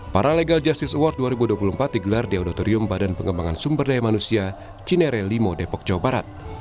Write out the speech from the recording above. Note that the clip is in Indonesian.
paralegal justice award dua ribu dua puluh empat digelar di auditorium badan pengembangan sumber daya manusia cinere lima depok jawa barat